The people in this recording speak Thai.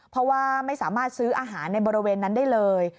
เพราะว่าไม่สามารถซื้ออาหารในบริเวณนั้นได้เลย